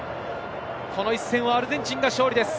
この一戦はアルゼンチンが勝利です。